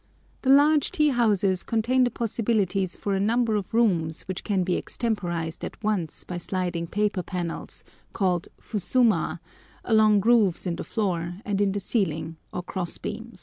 The large tea houses contain the possibilities for a number of rooms which can be extemporised at once by sliding paper panels, called fusuma, along grooves in the floor and in the ceiling or cross beams.